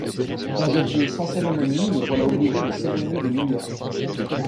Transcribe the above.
Congédié sans cérémonie, le voilà obligé de s'éloigner de New York.